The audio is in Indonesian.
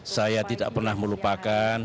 saya tidak pernah melupakan